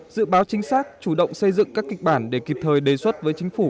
dự báo chính xác chủ động xây dựng các kịch bản để kịp thời đề xuất với chính phủ